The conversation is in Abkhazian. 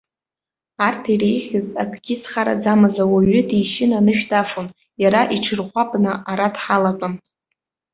Арк иреиӷьыз, акгьы зхараӡамыз ауаҩы дишьын анышә дафон, иара иҽырӷәапны ара дҳалатәан.